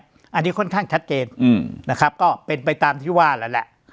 อันนี้ค่อนข้างชัดเจนนะครับก็เป็นไปตามที่ว่าแล้วแหละ